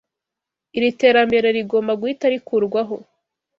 Iri terambere rigomba guhita rikurwaho.